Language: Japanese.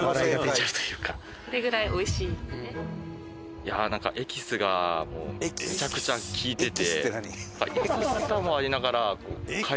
いやあなんかエキスがめちゃくちゃ利いてて。